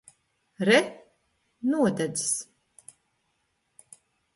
Re! Nodedzis!